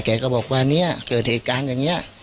แกก็บอกว่านี่ครับเสร็จเกิดเค้ตการณ์อย่างนี้